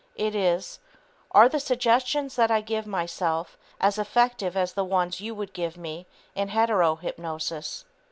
It is: "Are the suggestions that I give myself as effective as the ones you would give me in hetero hypnosis?"